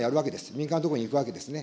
民間のところに行くわけですね。